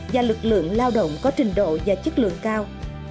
và lực lượng lao động có trình độ và chất lượng cao